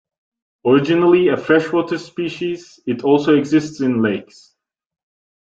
Originally a freshwater species, it also exists in lakes.